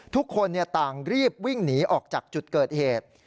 ทุกคนต่างรีบวิ่งหนีออกจากจุดเกิดเหตุ